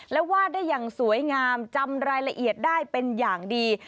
และวาดได้อย่างสวยงามจำรายละเอียดได้เป็นอย่างดี